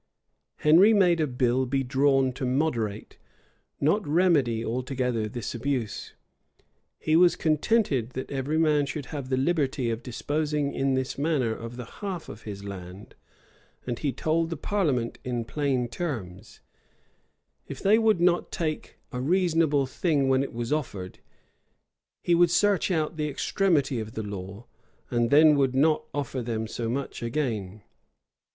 Henry made a bill be drawn to moderate, not remedy altogether, this abuse; he was contented, that every man should have the liberty of disposing in this manner of the half of his land; and he told the parliament in plain terms, "if they would not take a reasonable thing when it was offered, he would search out the extremity of the law; and then would not offer them so much again."